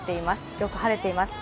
よく晴れています。